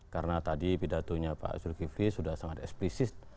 karena tadi pidatonya pak zulkifli sudah sangat eksplisit